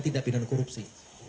tindak pidana korupsi